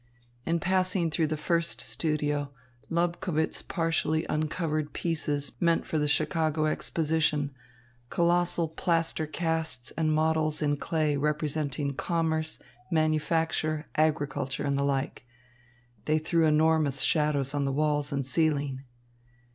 In passing through the first studio, Lobkowitz partially uncovered pieces meant for the Chicago Exposition, colossal plaster casts and models in clay representing commerce, manufacture, agriculture and the like. They threw enormous shadows on the walls and ceiling.